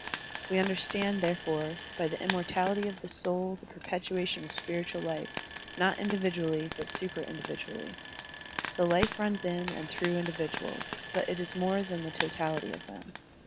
We tmderstand, therefore, by the immortality of the soul the perpetuation of spiritual life, not individually but supra individually. The life runs in and through individuals, but it is more than the totality of them.